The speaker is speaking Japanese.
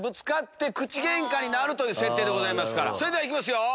それではいきますよ！